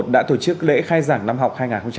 đã tổ chức lễ khai giảng năm học